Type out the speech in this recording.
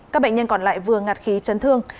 các bệnh nhân còn lại vừa ngạt khí chấn thương